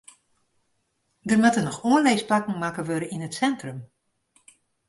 Der moatte noch oanlisplakken makke wurde yn it sintrum.